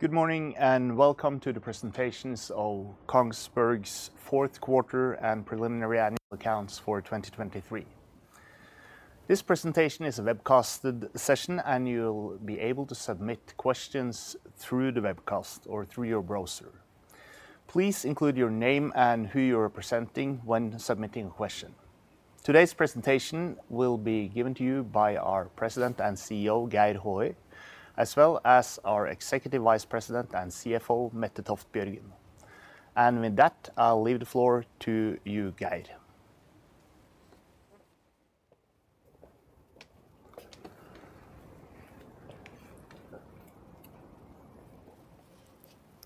Good morning and welcome to the presentations of KONGSBERG's fourth quarter and preliminary annual accounts for 2023. This presentation is a webcasted session, and you'll be able to submit questions through the webcast or through your browser. Please include your name and who you're representing when submitting a question. Today's presentation will be given to you by our President and CEO, Geir Håøy, as well as our Executive Vice President and CFO, Mette Toft Bjørgen. With that, I'll leave the floor to you, Geir.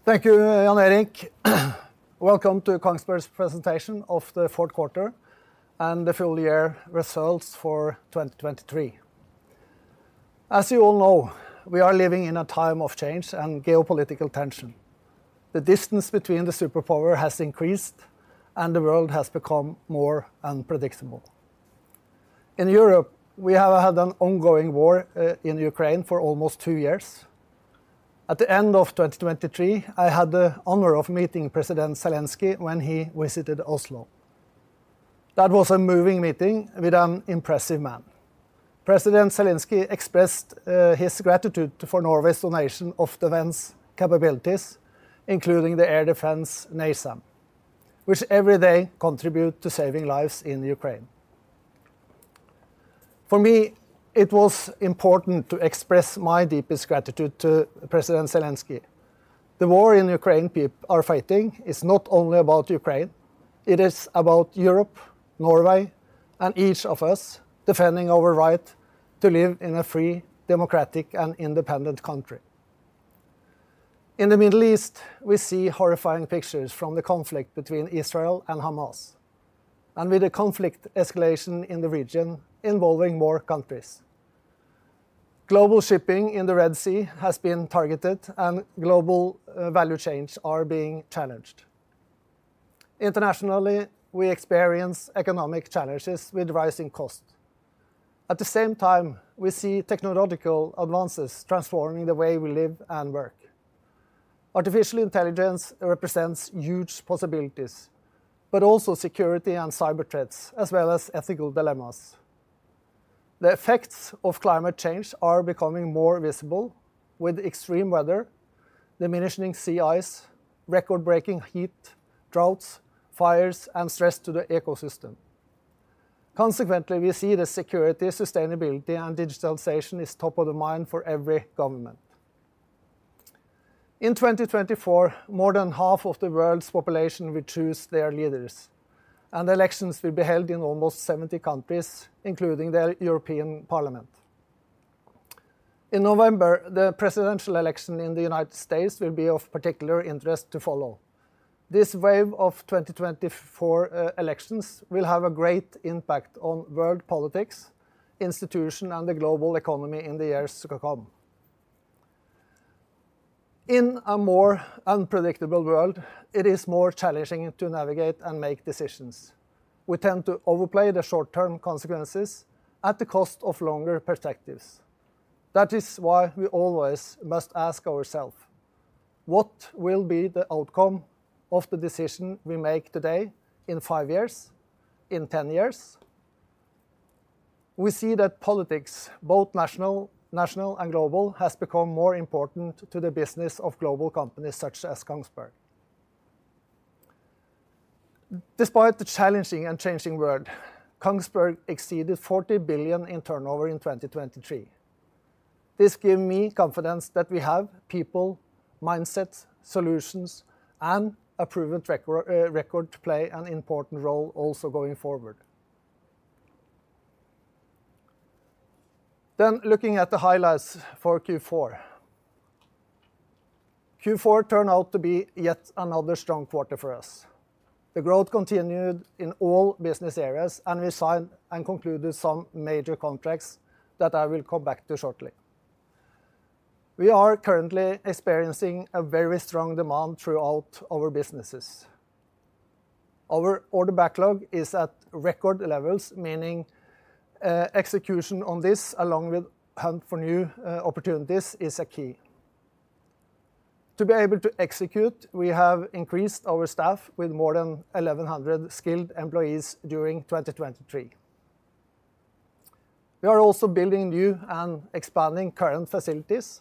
Thank you, Jan Erik. Welcome to KONGSBERG's presentation of the fourth quarter and the full year results for 2023. As you all know, we are living in a time of change and geopolitical tension. The distance between the superpower has increased, and the world has become more unpredictable. In Europe, we have had an ongoing war in Ukraine for almost two years. At the end of 2023, I had the honor of meeting President Zelenskyy when he visited Oslo. That was a moving meeting with an impressive man. President Zelenskyy expressed his gratitude for Norway's donation of defense capabilities, including the air defense NASAMS, which every day contribute to saving lives in Ukraine. For me, it was important to express my deepest gratitude to President Zelenskyy. The war in Ukraine, people are fighting is not only about Ukraine; it is about Europe, Norway, and each of us defending our right to live in a free, democratic, and independent country. In the Middle East, we see horrifying pictures from the conflict between Israel and Hamas, and with the conflict escalation in the region involving more countries. Global shipping in the Red Sea has been targeted, and global value chains are being challenged. Internationally, we experience economic challenges with rising costs. At the same time, we see technological advances transforming the way we live and work. Artificial intelligence represents huge possibilities, but also security and cyber threats, as well as ethical dilemmas. The effects of climate change are becoming more visible, with extreme weather, diminishing sea ice, record-breaking heat, droughts, fires, and stress to the ecosystem. Consequently, we see that security, sustainability, and digitalization are top of the mind for every government. In 2024, more than half of the world's population will choose their leaders, and elections will be held in almost 70 countries, including the European Parliament. In November, the presidential election in the United States will be of particular interest to follow. This wave of 2024 elections will have a great impact on world politics, institutions, and the global economy in the years to come. In a more unpredictable world, it is more challenging to navigate and make decisions. We tend to overplay the short-term consequences at the cost of longer perspectives. That is why we always must ask ourselves, "What will be the outcome of the decision we make today in five years, in ten years?" We see that politics, both national and global, has become more important to the business of global companies such as KONGSBERG. Despite the challenging and changing world, KONGSBERG exceeded 40 billion in turnover in 2023. This gives me confidence that we have people, mindsets, solutions, and a proven record to play an important role also going forward. Then, looking at the highlights for Q4. Q4 turned out to be yet another strong quarter for us. The growth continued in all business areas, and we signed and concluded some major contracts that I will come back to shortly. We are currently experiencing a very strong demand throughout our businesses. Our order backlog is at record levels, meaning execution on this, along with hunt for new opportunities, is key. To be able to execute, we have increased our staff with more than 1,100 skilled employees during 2023. We are also building new and expanding current facilities.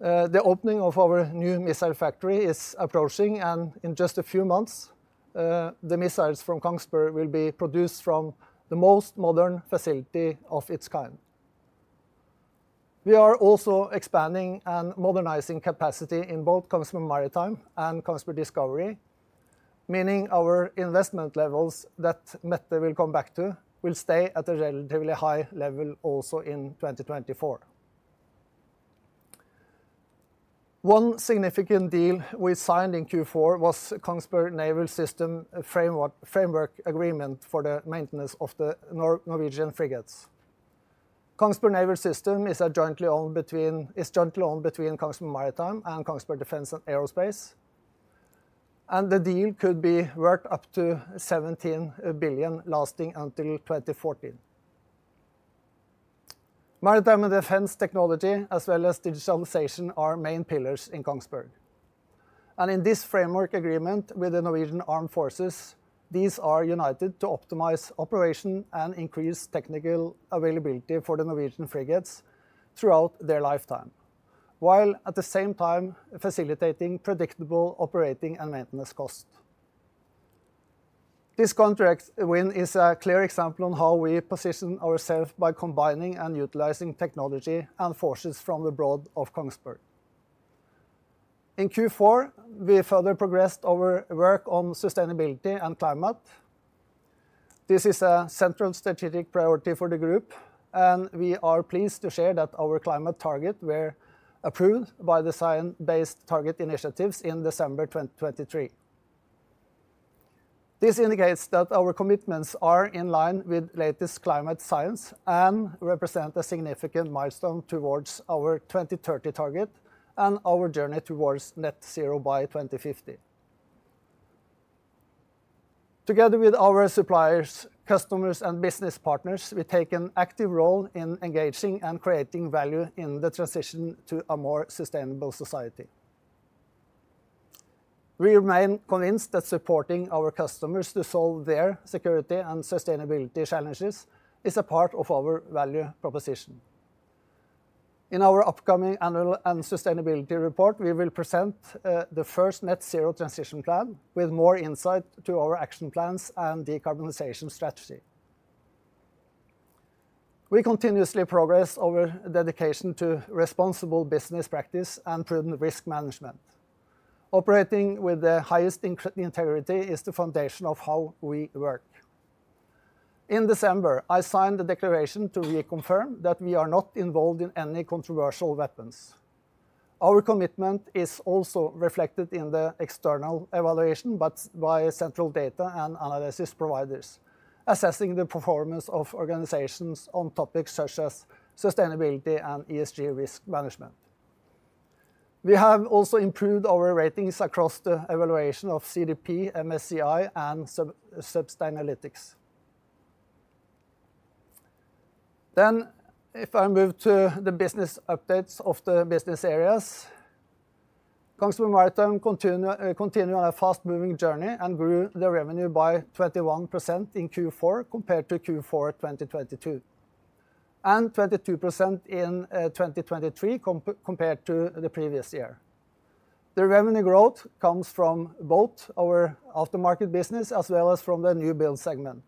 The opening of our new missile factory is approaching, and in just a few months, the missiles from KONGSBERG will be produced from the most modern facility of its kind. We are also expanding and modernizing capacity in both KONGSBERG Maritime and KONGSBERG Discovery, meaning our investment levels that Mette will come back to will stay at a relatively high level also in 2024. One significant deal we signed in Q4 was the KONGSBERG Naval System Framework Agreement for the maintenance of the Norwegian frigates. KONGSBERG Naval System is jointly owned between KONGSBERG Maritime and KONGSBERG Defence & Aerospace, and the deal could be worth up to 17 billion lasting until 2040. Maritime and defense technology, as well as digitalization, are main pillars in KONGSBERG. In this Framework Agreement with the Norwegian Armed Forces, these are united to optimize operation and increase technical availability for the Norwegian frigates throughout their lifetime, while at the same time facilitating predictable operating and maintenance costs. This contract win is a clear example on how we position ourselves by combining and utilizing technology and forces from the breadth of KONGSBERG. In Q4, we further progressed our work on sustainability and climate. This is a central strategic priority for the group, and we are pleased to share that our climate target were approved by the Science Based Targets initiative in December 2023. This indicates that our commitments are in line with the latest climate science and represent a significant milestone towards our 2030 target and our journey towards net-zero by 2050. Together with our suppliers, customers, and business partners, we take an active role in engaging and creating value in the transition to a more sustainable society. We remain convinced that supporting our customers to solve their security and sustainability challenges is a part of our value proposition. In our upcoming annual sustainability report, we will present the first net-zero transition plan with more insight into our action plans and decarbonization strategy. We continuously progress in our dedication to responsible business practice and prudent risk management. Operating with the highest integrity is the foundation of how we work. In December, I signed a declaration to reconfirm that we are not involved in any controversial weapons. Our commitment is also reflected in the external evaluation by central data and analysis providers, assessing the performance of organizations on topics such as sustainability and ESG risk management. We have also improved our ratings across the evaluation of CDP, MSCI, and Sustainalytics. Then, if I move to the business updates of the business areas, KONGSBERG Maritime continued on a fast-moving journey and grew their revenue by 21% in Q4 compared to Q4 2022, and 22% in 2023 compared to the previous year. The revenue growth comes from both our aftermarket business as well as from the new build segment.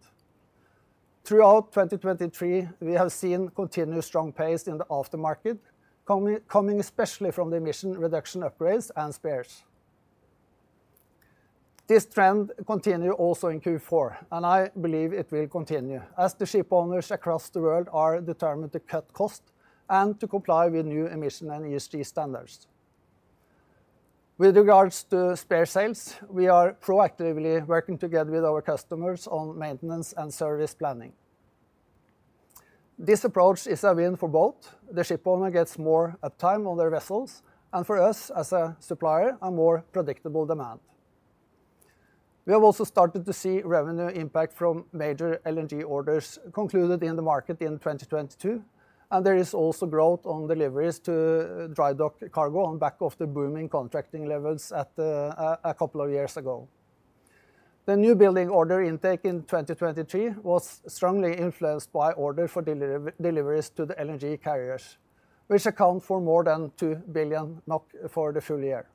Throughout 2023, we have seen continued strong pace in the aftermarket, coming especially from the emission reduction upgrades and spares. This trend continued also in Q4, and I believe it will continue as the shipowners across the world are determined to cut costs and to comply with new emission and ESG standards. With regards to spare sales, we are proactively working together with our customers on maintenance and service planning. This approach is a win for both: the shipowner gets more uptime on their vessels, and for us as a supplier, a more predictable demand. We have also started to see revenue impact from major LNG orders concluded in the market in 2022, and there is also growth on deliveries to dry dock cargo on the back of the booming contracting levels a couple of years ago. The new building order intake in 2023 was strongly influenced by orders for deliveries to the LNG carriers, which account for more than 2 billion for the full year.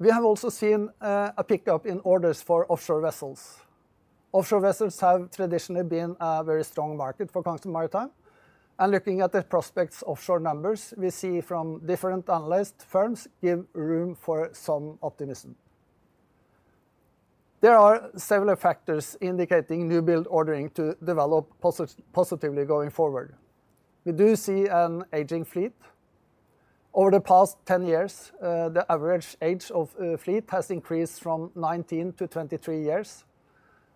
We have also seen a pickup in orders for offshore vessels. Offshore vessels have traditionally been a very strong market for KONGSBERG Maritime, and looking at the prospects offshore numbers we see from different analyst firms gives room for some optimism. There are several factors indicating new build ordering to develop positively going forward. We do see an aging fleet. Over the past 10 years, the average age of fleet has increased from 19 to 23 years,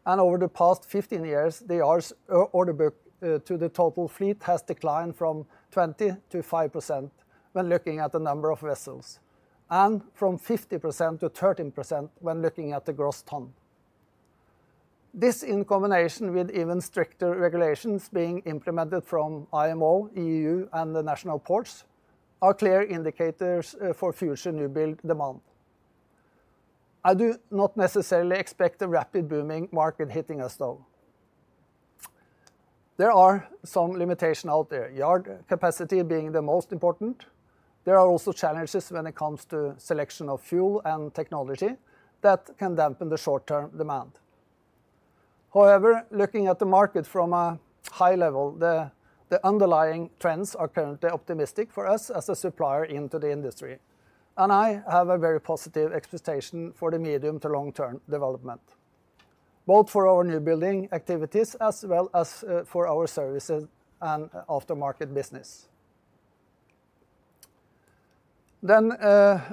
and over the past 15 years, the order book to the total fleet has declined from 20%-5% when looking at the number of vessels, and from 50% to 13% when looking at the gross ton. This, in combination with even stricter regulations being implemented from IMO, E.U., and the national ports, are clear indicators for future new build demand. I do not necessarily expect a rapid booming market hitting us, though. There are some limitations out there, yard capacity being the most important. There are also challenges when it comes to selection of fuel and technology that can dampen the short-term demand. However, looking at the market from a high level, the underlying trends are currently optimistic for us as a supplier into the industry, and I have a very positive expectation for the medium to long-term development, both for our new building activities as well as for our services and aftermarket business. Then,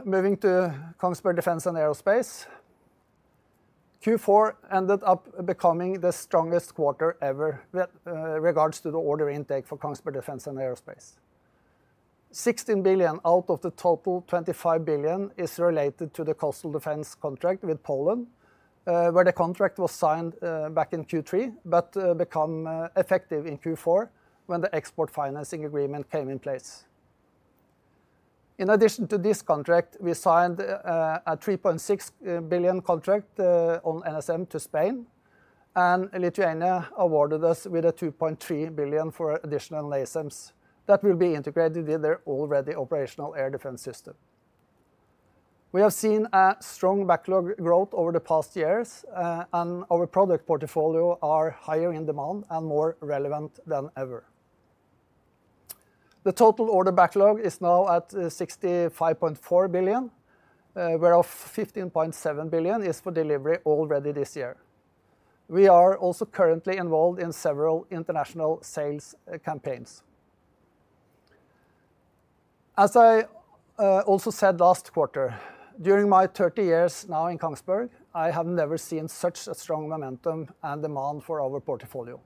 moving to KONGSBERG Defence & Aerospace, Q4 ended up becoming the strongest quarter ever with regards to the order intake for KONGSBERG Defence & Aerospace. 16 billion out of the total 25 billion is related to the coastal defense contract with Poland, where the contract was signed back in Q3 but became effective in Q4 when the export financing agreement came in place. In addition to this contract, we signed a 3.6 billion contract on NSM to Spain, and Lithuania awarded us with a 2.3 billion for additional NASAMS that will be integrated with their already operational air defense system. We have seen a strong backlog growth over the past years, and our product portfolio is higher in demand and more relevant than ever. The total order backlog is now at 65.4 billion, whereof 15.7 billion is for delivery already this year. We are also currently involved in several international sales campaigns. As I also said last quarter, during my 30 years now in KONGSBERG, I have never seen such a strong momentum and demand for our portfolio.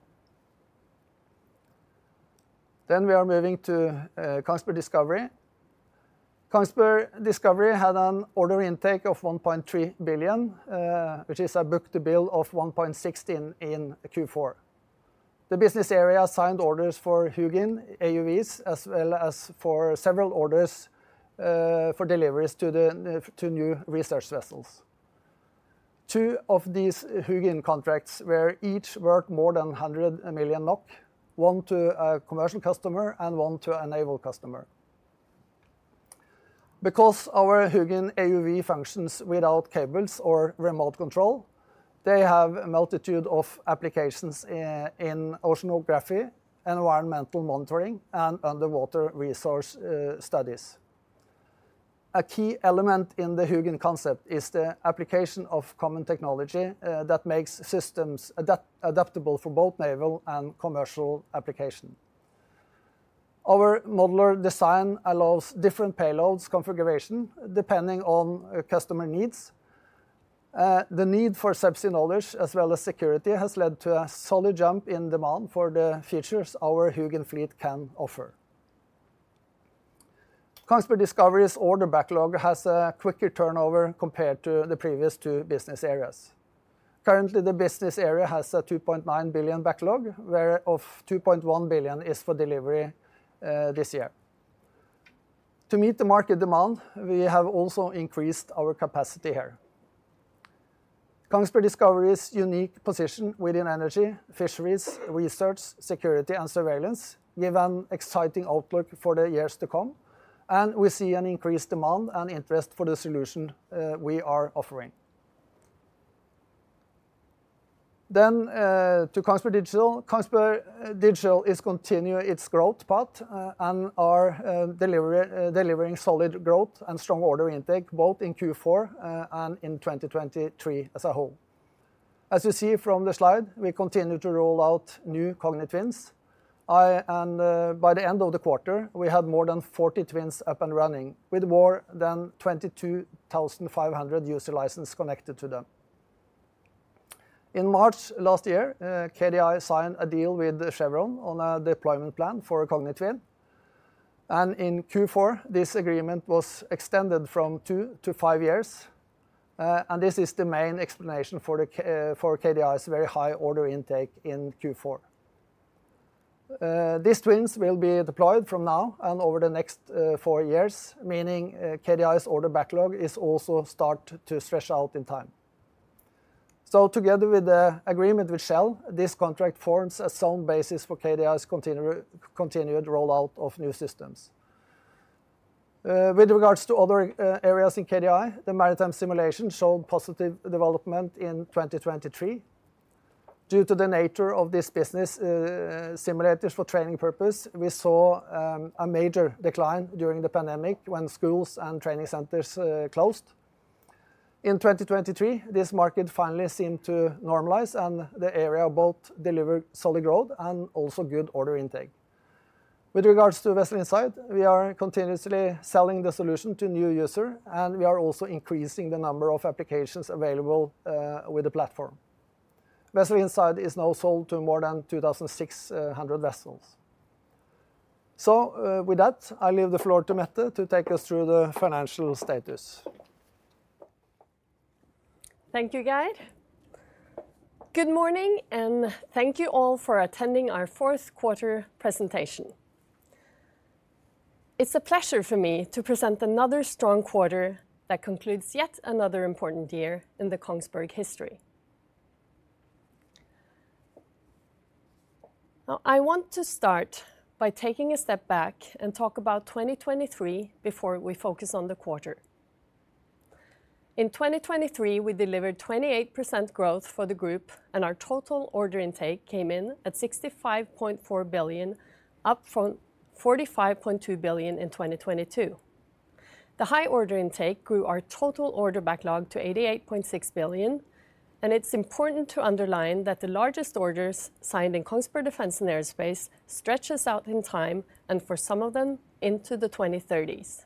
Then, we are moving to KONGSBERG Discovery. KONGSBERG Discovery had an order intake of 1.3 billion, which is a book-to-bill of 1.16 in Q4. The business area signed orders for HUGIN AUVs as well as for several orders for deliveries to new research vessels. Two of these HUGIN contracts were each worth more than 100 million NOK, one to a commercial customer and one to a naval customer. Because our HUGIN AUV functions without cables or remote control, they have a multitude of applications in oceanography, environmental monitoring, and underwater resource studies. A key element in the HUGIN concept is the application of common technology that makes systems adaptable for both naval and commercial application. Our modular design allows different payloads configuration depending on customer needs. The need for subsea knowledge as well as security has led to a solid jump in demand for the features our HUGIN fleet can offer. KONGSBERG Discovery's order backlog has a quicker turnover compared to the previous two business areas. Currently, the business area has a 2.9 billion backlog, whereof 2.1 billion is for delivery this year. To meet the market demand, we have also increased our capacity here. KONGSBERG Discovery's unique position within energy, fisheries, research, security, and surveillance gives an exciting outlook for the years to come, and we see an increased demand and interest for the solution we are offering. Then, to KONGSBERG Digital, KONGSBERG Digital is continuing its growth path and is delivering solid growth and strong order intake both in Q4 and in 2023 as a whole. As you see from the slide, we continue to roll out new Kognitwins. By the end of the quarter, we had more than 40 twins up and running with more than 22,500 user licenses connected to them. In March last year, KDI signed a deal with Chevron on a deployment plan for a Kognitwin, and in Q4, this agreement was extended from two to five years, and this is the main explanation for KDI's very high order intake in Q4. These twins will be deployed from now and over the next four years, meaning KDI's order backlog is also starting to stretch out in time. So, together with the agreement with Shell, this contract forms a solid basis for KDI's continued rollout of new systems. With regards to other areas in KDI, the maritime simulation showed positive development in 2023. Due to the nature of these business simulators for training purposes, we saw a major decline during the pandemic when schools and training centers closed. In 2023, this market finally seemed to normalize, and the area both delivered solid growth and also good order intake. With regards to Vessel Insight, we are continuously selling the solution to new users, and we are also increasing the number of applications available with the platform. Vessel Insight is now sold to more than 2,600 vessels. So, with that, I leave the floor to Mette to take us through the financial status. Thank you, Geir. Good morning, and thank you all for attending our fourth quarter presentation. It's a pleasure for me to present another strong quarter that concludes yet another important year in the KONGSBERG history. Now, I want to start by taking a step back and talk about 2023 before we focus on the quarter. In 2023, we delivered 28% growth for the group, and our total order intake came in at 65.4 billion, up from 45.2 billion in 2022. The high order intake grew our total order backlog to 88.6 billion, and it's important to underline that the largest orders signed in KONGSBERG Defence & Aerospace stretch out in time and, for some of them, into the 2030s.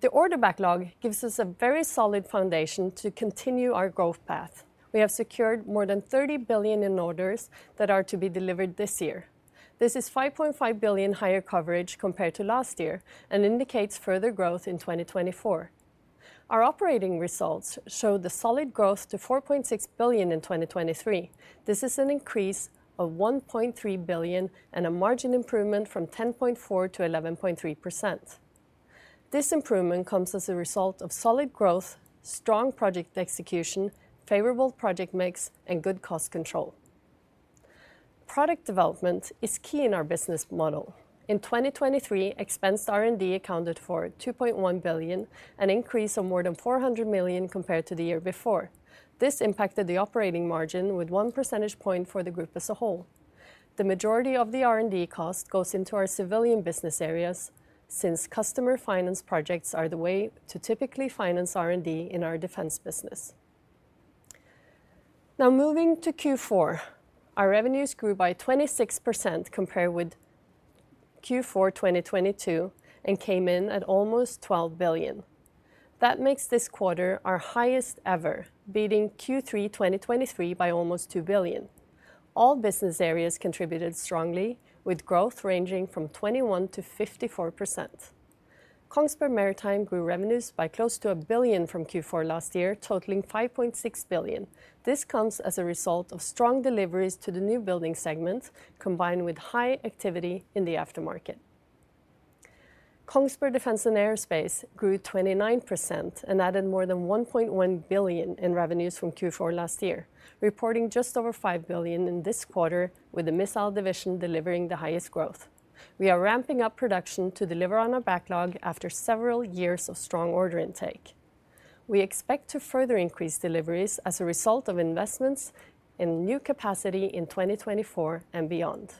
The order backlog gives us a very solid foundation to continue our growth path. We have secured more than 30 billion in orders that are to be delivered this year. This is 5.5 billion higher coverage compared to last year and indicates further growth in 2024. Our operating results showed a solid growth to 4.6 billion in 2023. This is an increase of 1.3 billion and a margin improvement from 10.4% to 11.3%. This improvement comes as a result of solid growth, strong project execution, favorable project mix, and good cost control. Product development is key in our business model. In 2023, expense to R&D accounted for 2.1 billion, an increase of more than 400 million compared to the year before. This impacted the operating margin with one percentage point for the group as a whole. The majority of the R&D cost goes into our civilian business areas since customer finance projects are the way to typically finance R&D in our defense business. Now, moving to Q4, our revenues grew by 26% compared with Q4 2022 and came in at almost 12 billion. That makes this quarter our highest ever, beating Q3 2023 by almost 2 billion. All business areas contributed strongly, with growth ranging from 21%-54%. KONGSBERG Maritime grew revenues by close to 1 billion from Q4 last year, totaling 5.6 billion. This comes as a result of strong deliveries to the new building segment combined with high activity in the aftermarket. KONGSBERG Defence and Aerospace grew 29% and added more than 1.1 billion in revenues from Q4 last year, reporting just over 5 billion in this quarter, with the Missile division delivering the highest growth. We are ramping up production to deliver on our backlog after several years of strong order intake. We expect to further increase deliveries as a result of investments in new capacity in 2024 and beyond.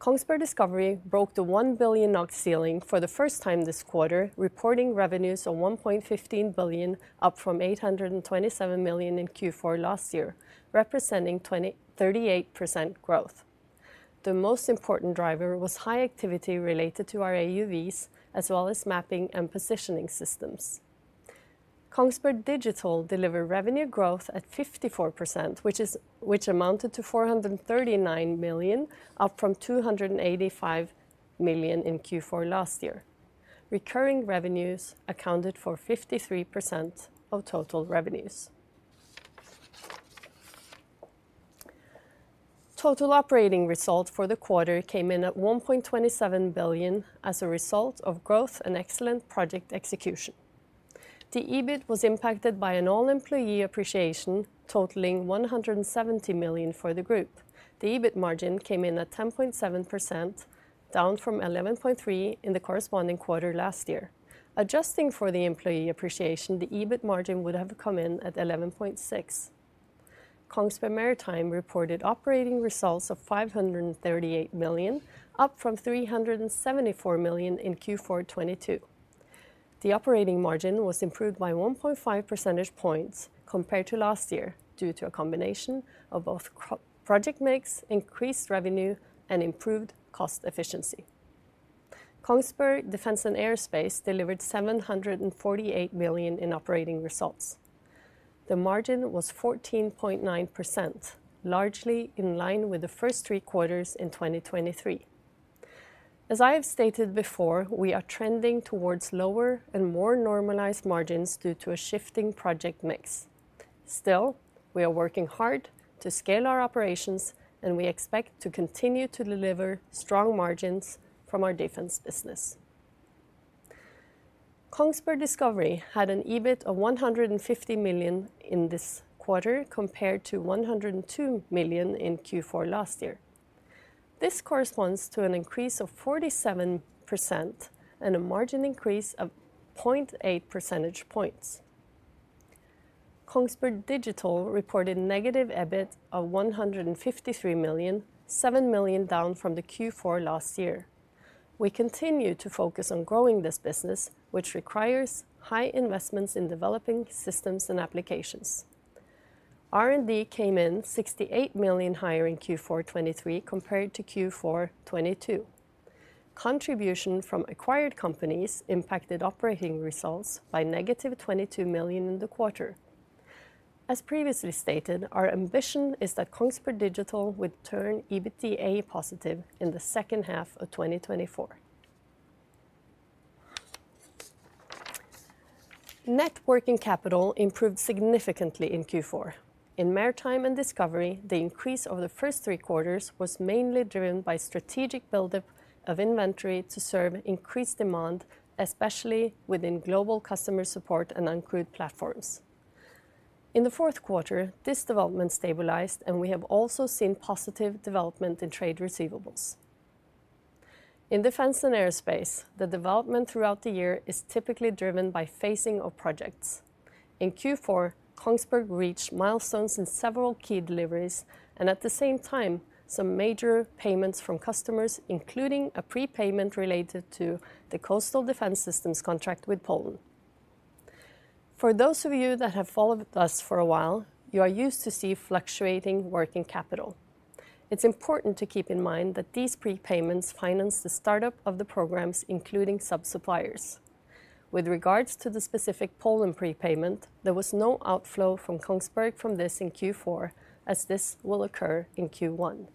KONGSBERG Discovery broke the 1 billion NOK ceiling for the first time this quarter, reporting revenues of 1.15 billion, up from 827 million in Q4 last year, representing 38% growth. The most important driver was high activity related to our AUVs as well as mapping and positioning systems. KONGSBERG Digital delivered revenue growth at 54%, which amounted to 439 million, up from 285 million in Q4 last year. Recurring revenues accounted for 53% of total revenues. Total operating result for the quarter came in at 1.27 billion as a result of growth and excellent project execution. The EBIT was impacted by an all-employee appreciation, totaling 170 million for the group. The EBIT margin came in at 10.7%, down from 11.3% in the corresponding quarter last year. Adjusting for the employee appreciation, the EBIT margin would have come in at 11.6%. KONGSBERG Maritime reported operating results of 538 million, up from 374 million in Q4 2022. The operating margin was improved by 1.5 percentage points compared to last year due to a combination of both project mix, increased revenue, and improved cost efficiency. KONGSBERG Defence & Aerospace delivered 748 million in operating results. The margin was 14.9%, largely in line with the first three quarters in 2023. As I have stated before, we are trending towards lower and more normalized margins due to a shifting project mix. Still, we are working hard to scale our operations, and we expect to continue to deliver strong margins from our defense business. KONGSBERG Discovery had an EBIT of 150 million in this quarter compared to 102 million in Q4 last year. This corresponds to an increase of 47% and a margin increase of 0.8 percentage points. KONGSBERG Digital reported negative EBIT of 153 million, 7 million down from the Q4 last year. We continue to focus on growing this business, which requires high investments in developing systems and applications. R&D came in 68 million higher in Q4 2023 compared to Q4 2022. Contribution from acquired companies impacted operating results by negative 22 million in the quarter. As previously stated, our ambition is that KONGSBERG Digital would turn EBITDA positive in the second half of 2024. Net working capital improved significantly in Q4. In Maritime and Discovery, the increase over the first three quarters was mainly driven by strategic buildup of inventory to serve increased demand, especially within global customer support and uncrewed platforms. In the fourth quarter, this development stabilized, and we have also seen positive development in trade receivables. In Defense & Aerospace, the development throughout the year is typically driven by phasing of projects. In Q4, KONGSBERG reached milestones in several key deliveries and, at the same time, some major payments from customers, including a prepayment related to the coastal defense systems contract with Poland. For those of you that have followed us for a while, you are used to seeing fluctuating working capital. It's important to keep in mind that these prepayments finance the startup of the programs, including subsuppliers. With regards to the specific Poland prepayment, there was no outflow from KONGSBERG from this in Q4, as this will occur in Q1.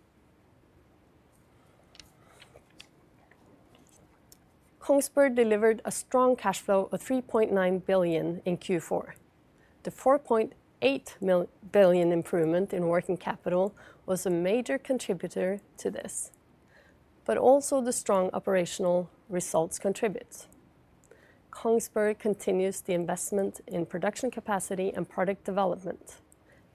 KONGSBERG delivered a strong cash flow of 3.9 billion in Q4. The 4.8 billion improvement in working capital was a major contributor to this, but also the strong operational results contribute. KONGSBERG continues the investment in production capacity and product development.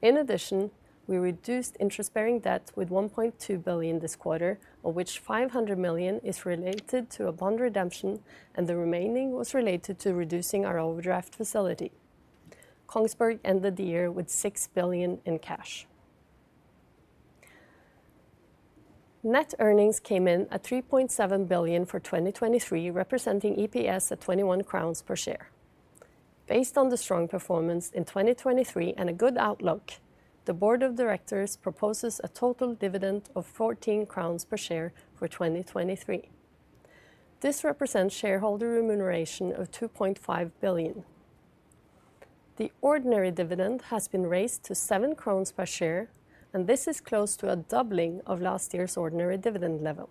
In addition, we reduced interest-bearing debt with 1.2 billion this quarter, of which 500 million is related to a bond redemption, and the remaining was related to reducing our overdraft facility. KONGSBERG ended the year with 6 billion in cash. Net earnings came in at 3.7 billion for 2023, representing EPS at 21 crowns per share. Based on the strong performance in 2023 and a good outlook, the board of directors proposes a total dividend of 14 crowns per share for 2023. This represents shareholder remuneration of 2.5 billion. The ordinary dividend has been raised to 7 per share, and this is close to a doubling of last year's ordinary dividend level.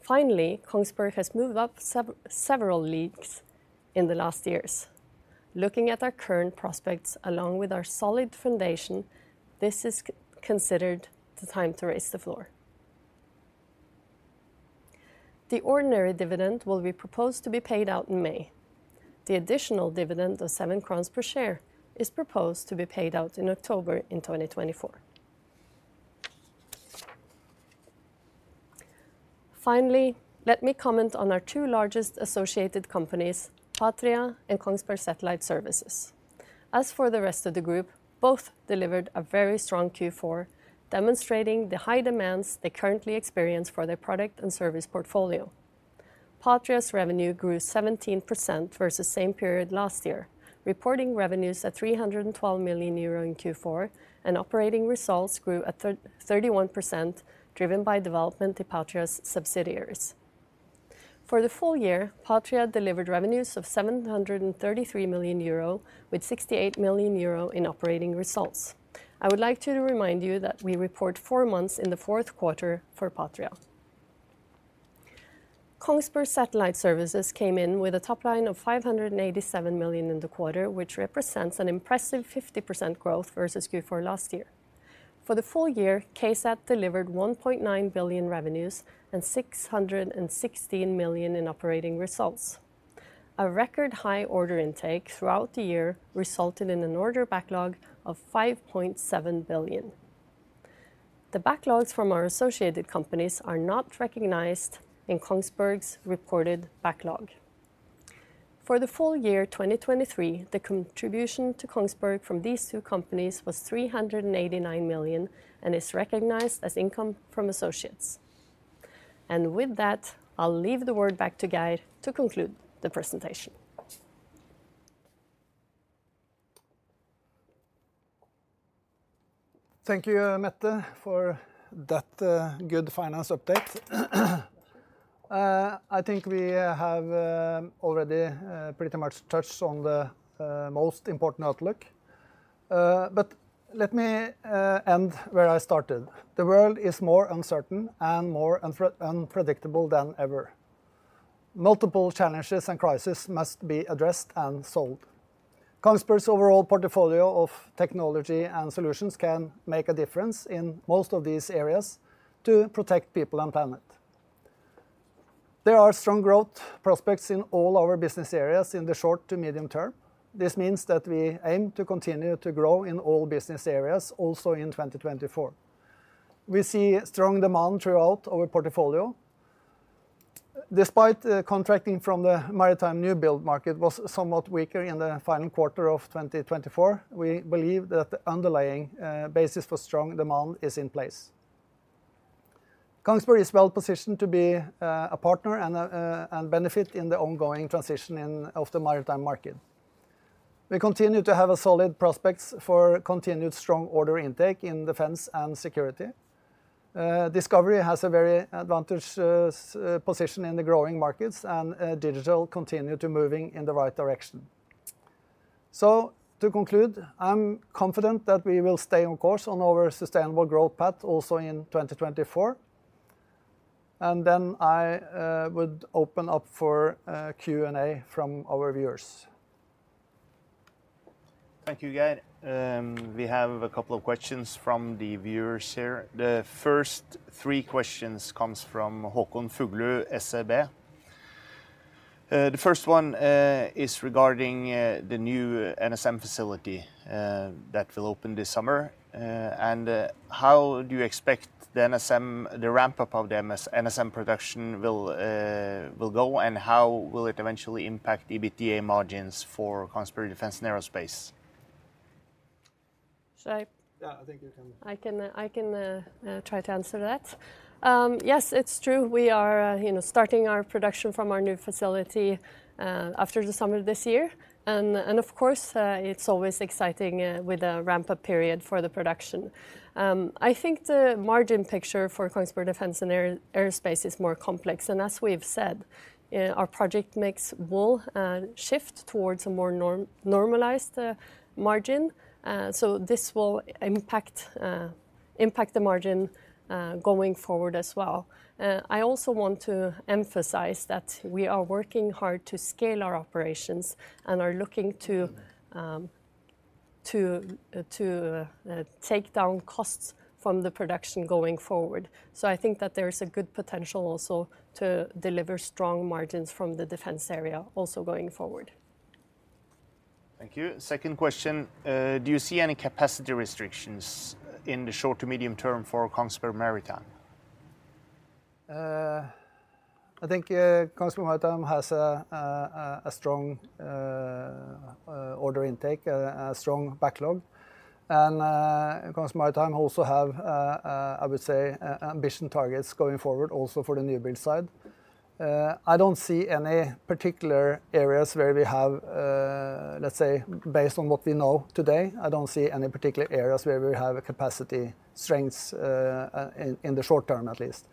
Finally, KONGSBERG has moved up several leagues in the last years. Looking at our current prospects along with our solid foundation, this is considered the time to raise the floor. The ordinary dividend will be proposed to be paid out in May. The additional dividend of 7 crowns per share is proposed to be paid out in October in 2024. Finally, let me comment on our two largest associated companies, Patria and Kongsberg Satellite Services. As for the rest of the group, both delivered a very strong Q4, demonstrating the high demands they currently experience for their product and service portfolio. Patria's revenue grew 17% versus the same period last year, reporting revenues at 312 million euro in Q4, and operating results grew at 31%, driven by development in Patria's subsidiaries. For the full year, Patria delivered revenues of 733 million euro, with 68 million euro in operating results. I would like to remind you that we report four months in the fourth quarter for Patria. Kongsberg Satellite Services came in with a top line of 587 million in the quarter, which represents an impressive 50% growth versus Q4 last year. For the full year, KSAT delivered 1.9 billion revenues and 616 million in operating results. A record high order intake throughout the year resulted in an order backlog of 5.7 billion. The backlogs from our associated companies are not recognized in KONGSBERG's reported backlog. For the full year 2023, the contribution to KONGSBERG from these two companies was 389 million and is recognized as income from associates. And with that, I'll leave the word back to Geir to conclude the presentation. Thank you, Mette, for that good finance update. I think we have already pretty much touched on the most important outlook. But let me end where I started. The world is more uncertain and more unpredictable than ever. Multiple challenges and crises must be addressed and solved. KONGSBERG's overall portfolio of technology and solutions can make a difference in most of these areas to protect people and planet. There are strong growth prospects in all our business areas in the short to medium term. This means that we aim to continue to grow in all business areas, also in 2024. We see strong demand throughout our portfolio. Despite contracting from the maritime new build market was somewhat weaker in the final quarter of 2024, we believe that the underlying basis for strong demand is in place. KONGSBERG is well positioned to be a partner and benefit in the ongoing transition of the maritime market. We continue to have solid prospects for continued strong order intake in Defence & Security. Discovery has a very advantageous position in the growing markets, and Digital continue to move in the right direction. So, to conclude, I'm confident that we will stay on course on our sustainable growth path also in 2024. Then I would open up for Q&A from our viewers. Thank you, Geir. We have a couple of questions from the viewers here. The first three questions come from Håkon Fuglu, SEB. The first one is regarding the new NSM facility that will open this summer. How do you expect the ramp-up of the NSM production will go, and how will it eventually impact EBITDA margins for KONGSBERG Defence & Aerospace? Should I? Yeah, I think you can. I can try to answer that. Yes, it's true. We are starting our production from our new facility after the summer this year. Of course, it's always exciting with a ramp-up period for the production. I think the margin picture for KONGSBERG Defence & Aerospace is more complex. As we've said, our project mix will shift towards a more normalized margin. This will impact the margin going forward as well. I also want to emphasize that we are working hard to scale our operations and are looking to take down costs from the production going forward. I think that there is a good potential also to deliver strong margins from the defense area also going forward. Thank you. Second question. Do you see any capacity restrictions in the short to medium term for KONGSBERG Maritime? I think KONGSBERG Maritime has a strong order intake, a strong backlog. KONGSBERG Maritime also have, I would say, ambition targets going forward also for the new build side. I don't see any particular areas where we have, let's say, based on what we know today, I don't see any particular areas where we have capacity strengths in the short term, at least.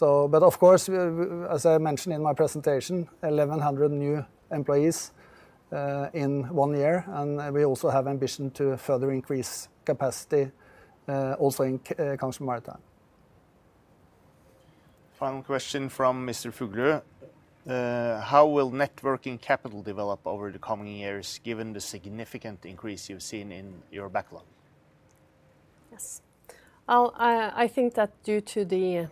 But of course, as I mentioned in my presentation, 1,100 new employees in one year. We also have ambition to further increase capacity also in KONGSBERG Maritime. Final question from Mr. Fuglu. How will net working capital develop over the coming years given the significant increase you've seen in your backlog? Yes. I think that due to the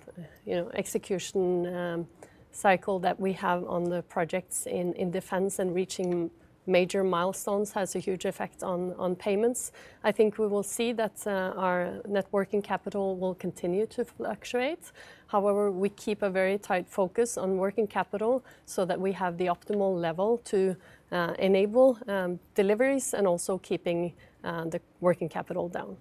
execution cycle that we have on the projects in defense and reaching major milestones has a huge effect on payments. I think we will see that our net working capital will continue to fluctuate. However, we keep a very tight focus on working capital so that we have the optimal level to enable deliveries and also keeping the working capital down.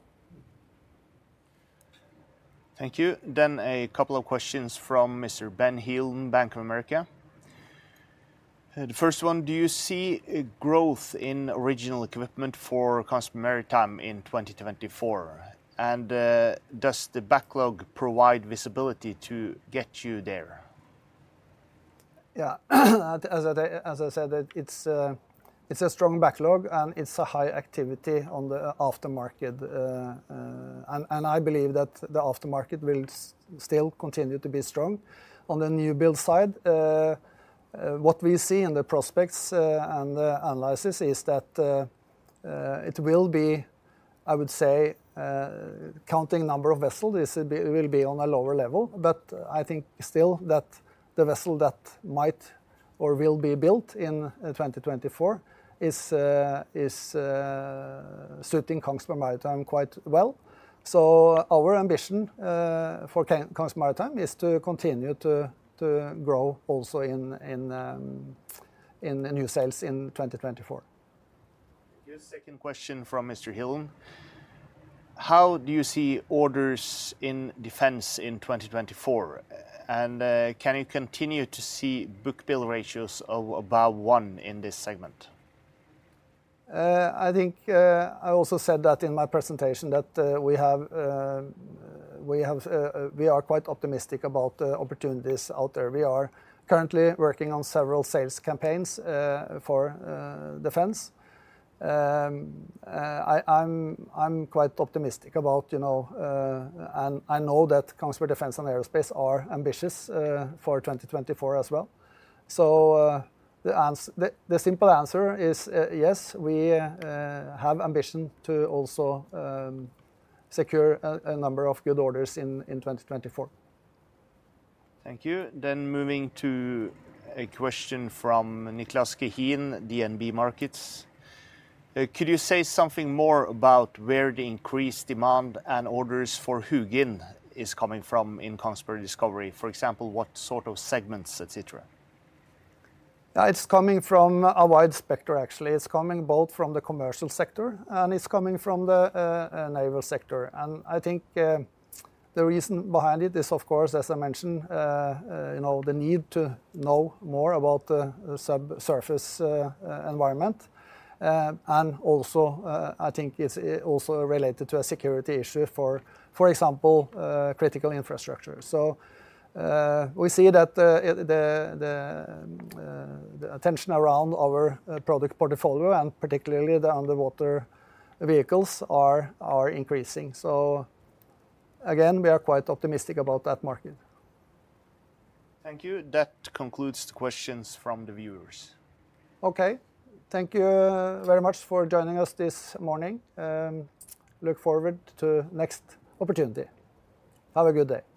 Thank you. Then a couple of questions from Mr. Ben Heelan, Bank of America. The first one. Do you see growth in original equipment for KONGSBERG Maritime in 2024? And does the backlog provide visibility to get you there? Yeah. As I said, it's a strong backlog, and it's a high activity on the aftermarket. And I believe that the aftermarket will still continue to be strong. On the new build side, what we see in the prospects and analysis is that it will be, I would say, counting number of vessels, it will be on a lower level. But I think still that the vessel that might or will be built in 2024 is suiting KONGSBERG Maritime quite well. So our ambition for KONGSBERG Maritime is to continue to grow also in new sales in 2024. Thank you. Second question from Mr. Heelan. How do you see orders in defense in 2024? And can you continue to see book-to-bill ratios of above one in this segment? I think I also said that in my presentation that we are quite optimistic about opportunities out there. We are currently working on several sales campaigns for defense. I'm quite optimistic about, and I know that KONGSBERG Defence & Aerospace are ambitious for 2024 as well. The simple answer is yes, we have ambition to also secure a number of good orders in 2024. Thank you. Then moving to a question from Niclas Gehin, DNB Markets. Could you say something more about where the increased demand and orders for HUGIN is coming from in KONGSBERG Discovery? For example, what sort of segments, etc.? Yeah, it's coming from a wide spectrum, actually. It's coming both from the commercial sector, and it's coming from the naval sector. And I think the reason behind it is, of course, as I mentioned, the need to know more about the subsurface environment. And also, I think it's also related to a security issue for, for example, critical infrastructure. So we see that the attention around our product portfolio and particularly the underwater vehicles are increasing. So again, we are quite optimistic about that market. Thank you. That concludes the questions from the viewers. Okay. Thank you very much for joining us this morning. Look forward to the next opportunity. Have a good day.